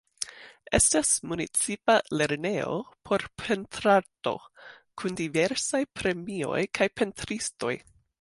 Estas Municipa Lernejo por Pentrarto, kun diversaj premioj kaj pentristoj.